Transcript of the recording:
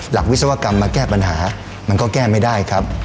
วิศวกรรมมาแก้ปัญหามันก็แก้ไม่ได้ครับ